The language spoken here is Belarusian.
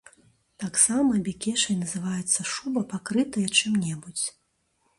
Таксама бекешай называецца шуба, пакрытая чым-небудзь.